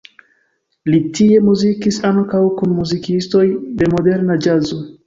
Li tie muzikis ankaŭ kun muzikistoj de moderna ĵazo.